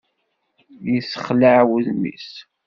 Yessexlaɛ wudem-is.